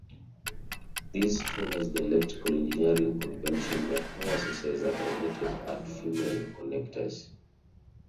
This follows the electrical engineering convention that power sources are terminated at female connectors.